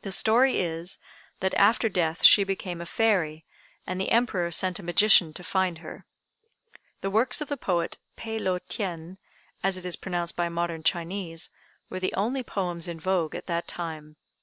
The story is, that after death she became a fairy, and the Emperor sent a magician to find her. The works of the poet Peh lo tien, as it is pronounced by modern Chinese, were the only poems in vogue at that time.